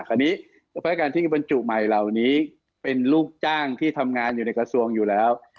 อันนี้ภายการที่มันจุกใหม่เหล่านี้เป็นลูกจ้างที่ทำงานอยู่ในกระทรวงอยู่แล้ว